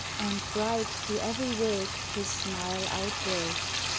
And bright thro' every word his smile outbroke.